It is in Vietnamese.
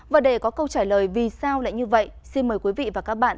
và để có câu trả lời vì sao lại như vậy xin mời quý vị và các bạn